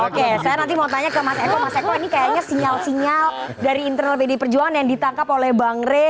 oke saya nanti mau tanya ke mas eko mas eko ini kayaknya sinyal sinyal dari internal pdi perjuangan yang ditangkap oleh bang rey